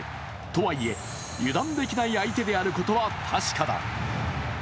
とはいえ、油断できない相手であることは確かだ。